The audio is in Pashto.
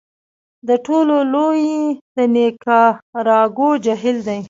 د ټولو لوی یې د نیکاراګو جهیل دی.